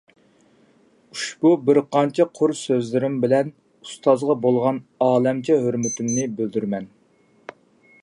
ئۇشبۇ بىرقانچە قۇر سۆزلىرىم بىلەن ئۇستازغا بولغان ئالەمچە ھۆرمىتىمنى بىلدۈرىمەن.